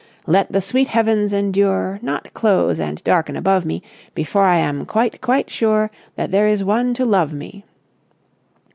Let the sweet heavens endure, Not close and darken above me Before I am quite quite sure That there is one to love me...."